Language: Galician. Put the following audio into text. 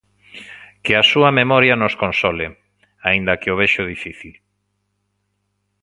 Que a súa memoria nos console, aínda que o vexo difícil.